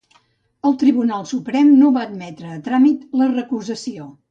El Tribunal Suprem no va admetre a tràmit la recusació.